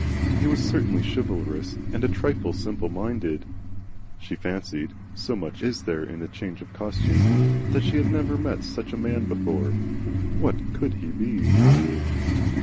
He was certainly chivalrous, and a trifle simpleminded. She fancied (so much is there in a change of costume) that she had never met with such a man before. What COULD he be?